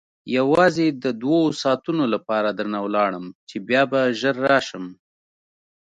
یوازې د دوو ساعتو لپاره درنه ولاړم چې بیا به ژر راشم.